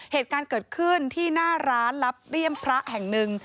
เหตุการณ์เกิดขึ้นที่หน้าร้านรับเลี่ยมพระแห่งหนึ่ง